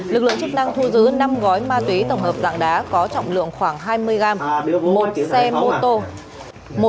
lực lượng chức năng thu giữ năm gói ma túy tổng hợp dạng đá có trọng lượng khoảng hai mươi gram